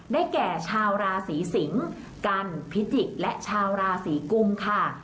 แก่ชาวราศีสิงศ์กันพิจิกษ์และชาวราศีกุมค่ะ